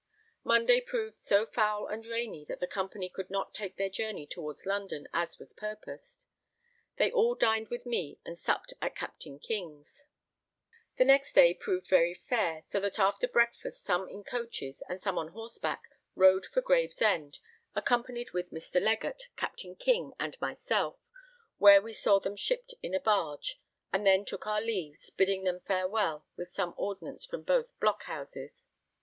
Monday proved so foul and rainy that the company could not take their journey towards London as was purposed; they all dined with me and supped at Captain King's. The next proved very fair, so that after breakfast some in coaches, and some on horseback, rode for Gravesend, accompanied with Mr. Legatt, Captain King, and myself; where we saw them shipped in a barge, and then took our leaves, bidding them farewell with some ordnance from both blockhouses.